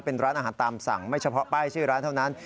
เป็นร้านอาหารตามสั่งไม่เฉพาะป้ายชื่อร้านเท่านั้น